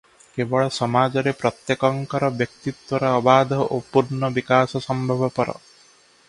କେବଳ ସମାଜରେ ପ୍ରତ୍ୟେକଙ୍କର ବ୍ୟକ୍ତିତ୍ୱର ଅବାଧ ଓ ପୂର୍ଣ୍ଣ ବିକାଶ ସମ୍ଭବପର ।